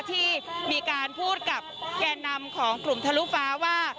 ที่มีการพูดกับแก่นำของกลุ่มทะลุฟ้าว่า